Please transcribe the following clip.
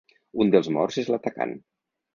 Un dels morts és l’atacant.